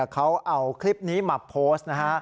เขาเอาคลิปนี้มาโพสต์นะฮะ